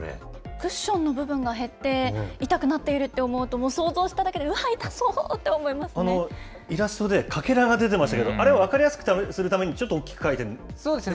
クッションの部分が減って、痛くなっていると思うと、もう想像しただけで、うわっ、このイラストでかけらが出てましたけど、あれは分かりやすくするためにちょっと大きく描いてそうですね。